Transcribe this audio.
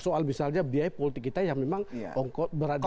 soal misalnya biaya politik kita yang memang berada di